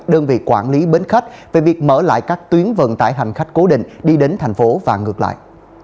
đơn vị quản lý bến khách về việc mở lại các tuyến vận tải hành khách cố định đi đến thành phố và ngược lại